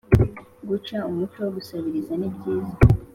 Guca umuco wo gusabiriza nibyiza